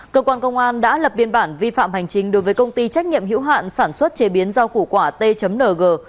cơ quan công an đã lập biên bản vi phạm hành trình đối với công ty trách nhiệm hiểu hạn sản xuất chế biến rau củ quả t ng